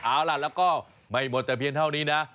เอาล่ะแล้วก็ไม่หมดแต่เพียงเท่านี้นะ